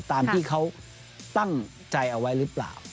ตามที่เขาตั้งใจเอาไว้หรือเปล่า